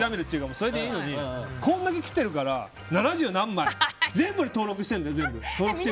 それでいいのにこんだけ来ているから、七十何枚全部登録したんだよ。